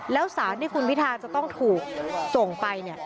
แล้วสารที่คุณพิทาจะต้องถูกส่งไปเนี่ย